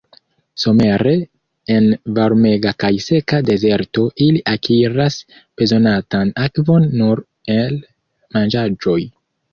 Somere en varmega kaj seka dezerto ili akiras bezonatan akvon nur el manĝaĵoj.